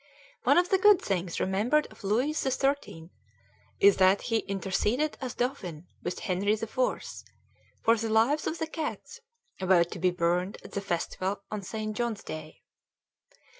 One of the good things remembered of Louis XIII is that he interceded as Dauphin with Henri IV for the lives of the cats about to be burned at the festival on St. John's Day.